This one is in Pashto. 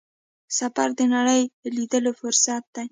سفر د نړۍ لیدلو فرصت دی.